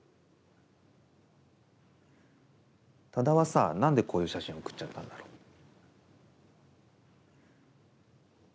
多田はさなんでこういう写真送っちゃったんだろう？